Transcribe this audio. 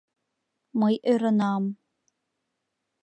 Мый ӧрынам...